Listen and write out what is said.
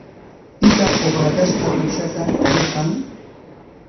¿Pitaq ukrakashqa uushata tarirqan?